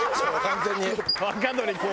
完全に。